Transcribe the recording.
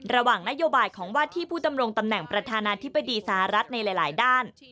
ระหว่างนโยบายของว่าที่ผู้ดำรงตำแหน่งประธานาธิบดีสหรัฐในหลายด้าน